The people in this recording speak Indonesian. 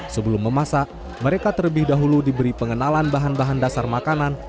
sebelum memasak mereka terlebih dahulu diberi pengenalan bahan bahan dasar makanan